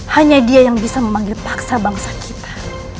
hanya dia yang bisa memanggil paksa bangsa kita